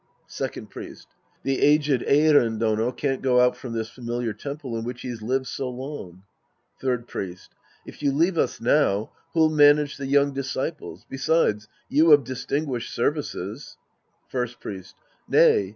Second Priest. The aged Eiren Dono can't go out from this familiar temple in which he's lived so long. Third Priest. If you leave us now, who'll manage the young disciples ? Besides, you of distinguished services — First Priest. Nay.